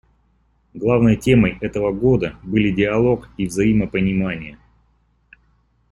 Главной темой этого Года были диалог и взаимопонимание.